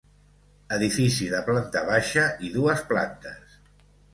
Edifici de planta baixa i dues plantes.